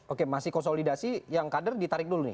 oke masih konsolidasi yang kader ditarik dulu nih